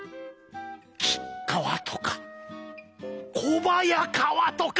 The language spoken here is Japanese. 吉川とか小早川とか。